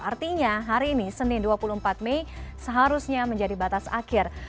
artinya hari ini senin dua puluh empat mei seharusnya menjadi batas akhir